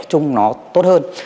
chúng nó tốt hơn